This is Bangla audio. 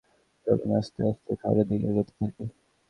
চলুন, আস্তে আস্তে শহরের দিকে এগুতে থাকি।